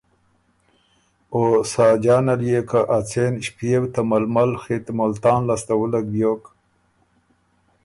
او ساجان ال يې که ا څېن ݭپيېو ته ململ خِط ملتان لاسته وُلک بیوک